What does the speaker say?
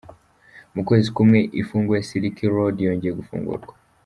Mu kwezi kumwe ifunzwe, Silk Road yongeye gufungurwa.